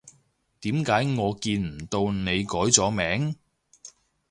點解我見唔到你改咗名？